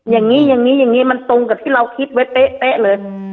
อย่างนี้อย่างนี้มันตรงกับที่เราคิดไว้เป๊ะเลย